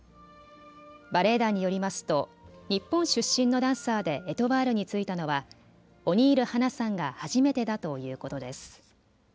バレエ団によりますと日本出身のダンサーでエトワールに就いたのはオニール八菜さんが初めてだということです。